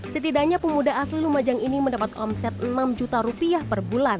setidaknya pemuda asli lumajang ini mendapat omset enam juta rupiah per bulan